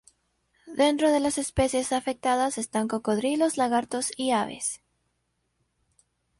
Dentro de las especies afectadas están cocodrilos, lagartos y aves.